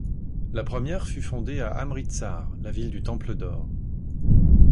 La première fut fondée à Amritsar, la ville du Temple d'Or.